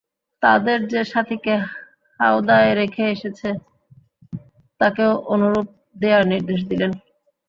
তাদের যে সাথীকে হাওদায় রেখে এসেছে তাকেও অনুরূপ দেয়ার নির্দেশ দিলেন।